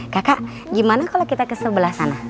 kakak gimana kalau kita ke sebelah sana